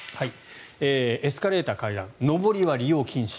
エスカレーター、階段上りは利用禁止。